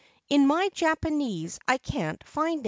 In my Japanese I can't find it.